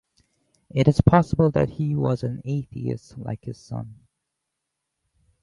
It is possible that he was an atheist, like his son.